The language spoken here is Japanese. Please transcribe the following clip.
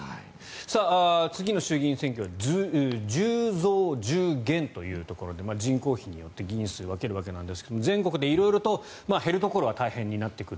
次の衆議院選挙は１０増１０減というところで人口比によって議員数を分けるわけなんですが全国で色々と減るところは大変になってくる。